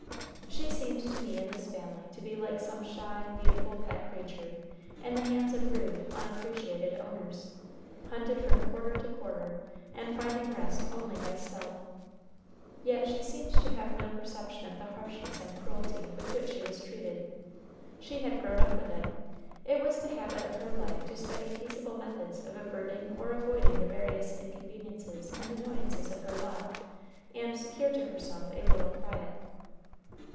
She seemed to me in this family to be like some shy, beautiful pet creature in the hands of rude, unappreciated owners, hunted from quarter to quarter, and finding rest only by stealth. Yet she seemed to have no perception of the harshness and cruelty with which she was treated. She had grown up with it; it was the habit of her life to study peaceable methods of averting or avoiding the various inconveniences and annoyances of her lot, and secure to herself a little quiet.